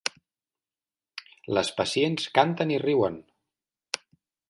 Les pacients canten i riuen.